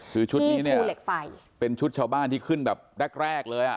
คือชุดนี้เนี่ยเป็นชุดชาวบ้านที่ขึ้นแบบแรกเลยอ่ะ